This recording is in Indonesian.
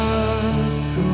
aku mau keluar